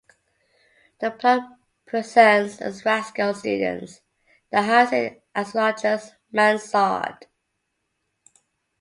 The plot presents a rascal student that hides in an astrologer's mansard.